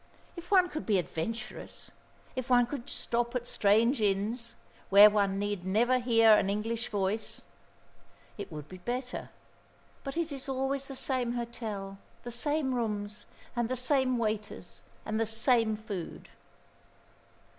If one could be adventurous, if one could stop at strange inns, where one need never hear an English voice, it would be better. But it is always the same hotel, the same rooms, and the same waiters, and the same food."